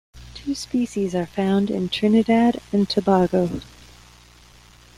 Two species are found in Trinidad and Tobago.